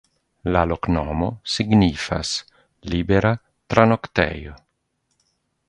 La loknomo signifas: libera-tranoktejo.